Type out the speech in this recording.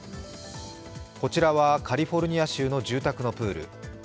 こちらはカリフォルニア州の住宅のプール。